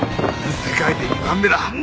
世界で２番目だ。